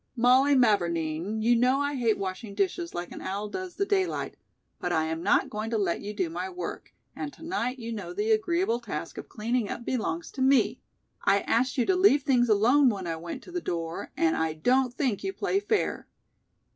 "Mollie Mavourneen, you know I hate washing dishes like an owl does the day light, but I am not going to let you do my work and to night you know the agreeable task of cleaning up belongs to me. I asked you to leave things alone when I went to the door and I don't think you play fair."